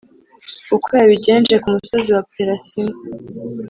uko yabigenje ku musozi wa Perasimu,